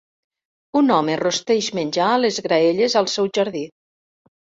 Un home rosteix menjar a les graelles al seu jardí.